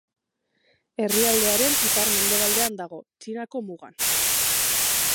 Herrialdearen ipar-mendebaldean dago, Txinako mugan.